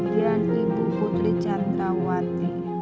dan ibu putri candrawati